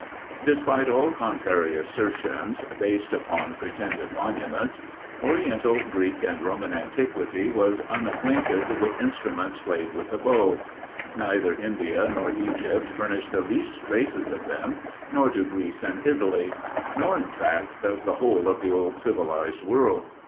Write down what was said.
Despite all contrary assertions, based upon pretended monuments, Oriental, Greek, and Roman antiquity was unacquainted with instruments played with a bow. Neither India nor Egypt furnish the least traces of them; nor do Greece and Italy; nor, in fact, does the whole of the old civilized world.